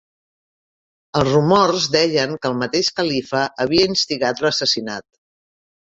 Els rumors deien que el mateix califa havia instigat l'assassinat.